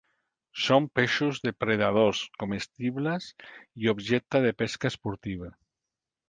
Són peixos depredadors comestibles i objecte de pesca esportiva.